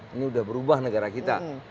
ini sudah berubah negara kita